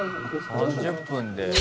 ３０分で。